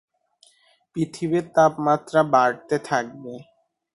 পৃথিবীর তাপমাত্রা বাড়তে থাকবে।